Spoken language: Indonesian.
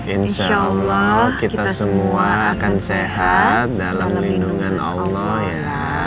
insyaallah kita semua akan sehat dalam lindungan allah ya